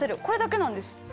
これだけなんです。